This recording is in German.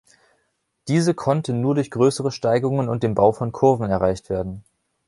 Diese konnte nur durch größere Steigungen und dem Bau von Kurven erreicht werden.